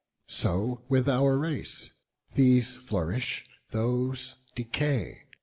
So with our race; these flourish, those decay.